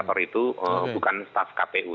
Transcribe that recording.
oh bukan staff kpu ya